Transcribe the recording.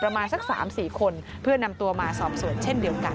ประมาณสัก๓๔คนเพื่อนำตัวมาสอบสวนเช่นเดียวกัน